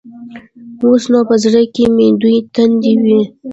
اوس نو په زړه کښې مې دوې تندې وې.